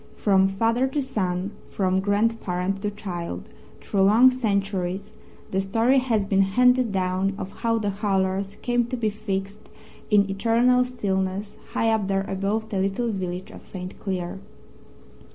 From father to son, from grandparent to child, through long centuries, the story has been handed down of how "The Hurlers" came to be fixed in eternal stillness high up there above the little village of St. Cleer.